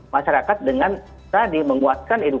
masyarakat dengan tadi menguatkan